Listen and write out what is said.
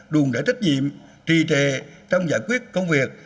đùn đẩy trách nhiệm trì trệ trong giải quyết công việc